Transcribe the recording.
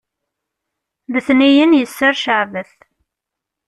letniyen yesser ceɛbet